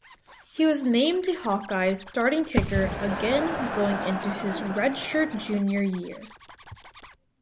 He was named the Hawkeyes starting kicker again going into his redshirt junior year.